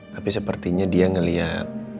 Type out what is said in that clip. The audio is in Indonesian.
tapi sepertinya dia ngeliat